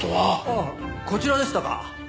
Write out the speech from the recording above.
ああこちらでしたか。